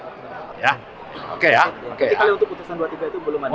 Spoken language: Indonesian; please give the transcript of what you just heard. tertikali untuk keputusan dua puluh tiga itu belum ada